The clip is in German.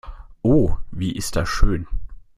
Oh, wie ist das schön!